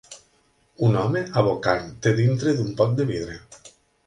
un home abocant te dintre d'un pot de vidre.